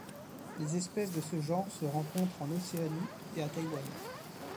Les espèces de ce genre se rencontrent en Océanie et à Taïwan.